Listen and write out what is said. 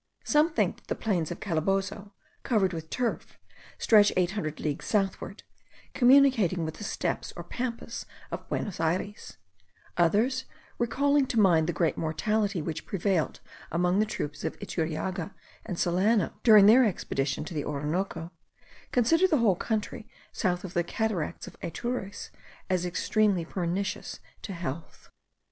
Some think that the plains of Calabozo, covered with turf, stretch eight hundred leagues southward, communicating with the Steppes or Pampas of Buenos Ayres; others, recalling to mind the great mortality which prevailed among the troops of Iturriaga and Solano, during their expedition to the Orinoco, consider the whole country, south of the cataracts of Atures, as extremely pernicious to health.